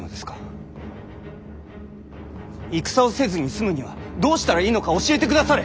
戦をせずに済むにはどうしたらいいのか教えてくだされ！